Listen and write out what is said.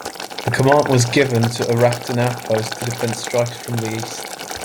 The command was given to erect an outpost to defend strikes from the east.